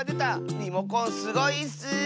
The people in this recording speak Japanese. リモコンすごいッス！